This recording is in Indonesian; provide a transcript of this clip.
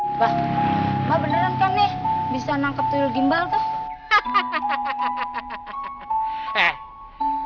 mbak emang beneran kan nih bisa nangkep tuyul gimbal tuh